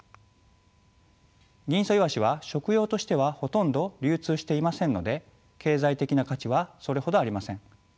ギンイソイワシは食用としてはほとんど流通していませんので経済的な価値はそれほどありません。